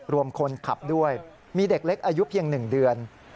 รวมคนขับด้วยมีเด็กเล็กอายุเพียง๑เดือน